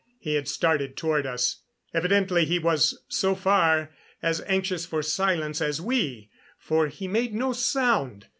He had started toward us. Evidently he was, so far, as anxious for silence as we, for he made no sound.